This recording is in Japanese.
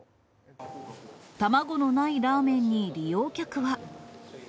卵のないラーメンに利用客は。